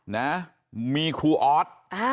นะมีครูออส